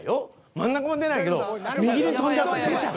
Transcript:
真ん中も出ないけど右に跳んじゃうと出ちゃう。